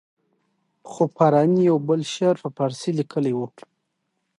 خو فاراني یو بل شعر په فارسي لیکلی وو.